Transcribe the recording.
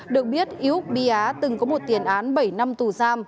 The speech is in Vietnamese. được biết ý úc bi á từng có một tiền án bảy năm tù giam